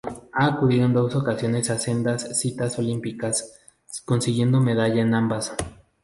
Ha acudido en dos ocasiones a sendas citas olímpicas consiguiendo medalla en ambas.